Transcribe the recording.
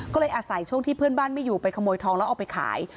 ก็เลยอาศัยช่วงที่เพื่อนบ้านไม่อยู่ไปขโมยทองแล้วเอาไปขาย